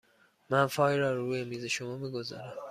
من فایل را روی میز شما می گذارم.